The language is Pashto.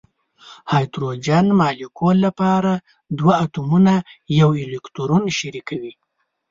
د هایدروجن مالیکول لپاره دوه اتومونه یو الکترون شریکوي.